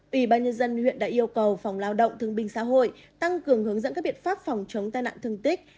ủy ban nhân dân huyện đã yêu cầu phòng lao động thương binh xã hội tăng cường hướng dẫn các biện pháp phòng chống tai nạn thương tích